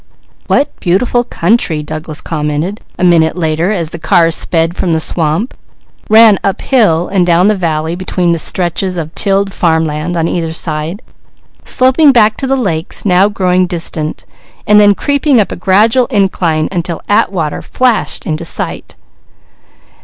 "What beautiful country!" Douglas commented a minute later as the car sped from the swamp, ran uphill, and down a valley between stretches of tilled farm land on either side, sloping back to the lakes now growing distant, then creeping up a gradual incline until Atwater flashed into sight.